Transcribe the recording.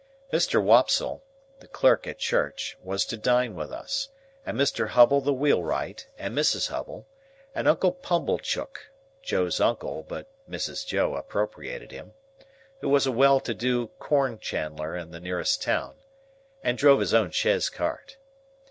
Mr. Wopsle, the clerk at church, was to dine with us; and Mr. Hubble the wheelwright and Mrs. Hubble; and Uncle Pumblechook (Joe's uncle, but Mrs. Joe appropriated him), who was a well to do cornchandler in the nearest town, and drove his own chaise cart.